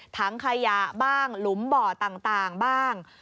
ถังขยะบ้างหลุมบ่อต่างบ้าง